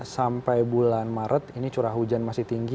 sampai bulan maret ini curah hujan masih tinggi